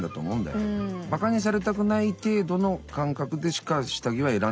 バカにされたくない程度の感覚でしか下着は選んでない。